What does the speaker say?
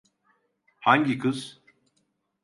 Hangi kız?